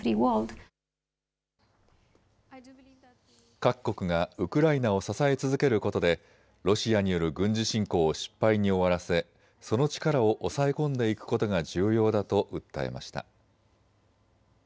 各国がウクライナを支え続けることでロシアによる軍事侵攻を失敗に終わらせその力を抑え込んでいくことが重要だと訴えました。